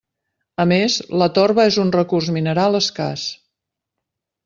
A més, la torba és un recurs mineral escàs.